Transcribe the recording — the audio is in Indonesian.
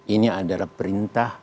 ini adalah perintah